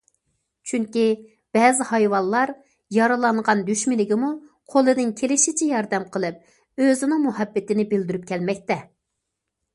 چۈنكى، بەزى ھايۋانلار يارىلانغان دۈشمىنىگىمۇ قولىدىن كېلىشىچە ياردەم قىلىپ، ئۆزىنىڭ مۇھەببىتىنى بىلدۈرۈپ كەلمەكتە.